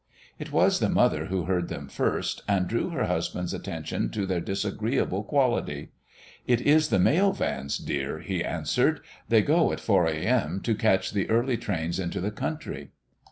It was the mother who heard them first, and drew her husband's attention to their disagreeable quality. "It is the mail vans, dear," he answered. "They go at four A. M. to catch the early trains into the country."